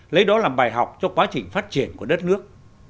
lấy đó làm bài học cho quá trình phát triển của đất nước